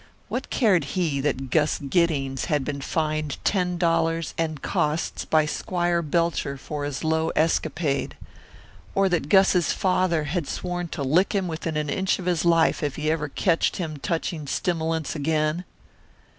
What cared he that Gus Giddings had been fined ten dollars and costs by Squire Belcher for his low escapade, or that Gus's father had sworn to lick him within an inch of his life if he ever ketched him touching stimmilints again?